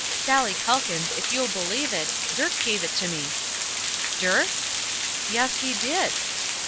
Sallie Calkins, if you'll believe it, Dirk gave it to me!" "Dirk?" "Yes, he did!"